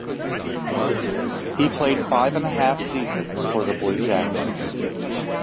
He played five-and-a-half seasons for the Blue Jackets.